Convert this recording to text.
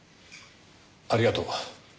ありがとう。